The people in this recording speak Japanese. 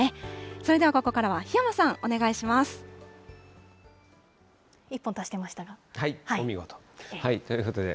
それではここからは檜山さん、お１本足してましたね。